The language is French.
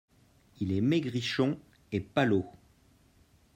Il est maigrichon et palot.